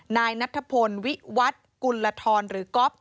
นายนัทพลวิวัตกุลธรหรือก๊อฟ